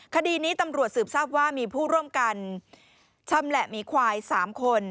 คดีนี้ตำรวจสืบทราบว่ามีผู้ร่วมกันชำแหละหมีควาย๓คน